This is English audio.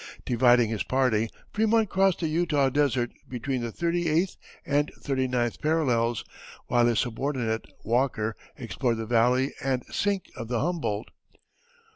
Dividing his party Frémont crossed the Utah desert between the thirty eighth and thirty ninth parallels, while his subordinate, Walker, explored the valley and sink of the Humboldt.